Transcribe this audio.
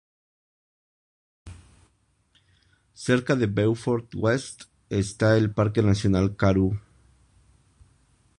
Cerca de Beaufort West está el Parque Nacional Karoo.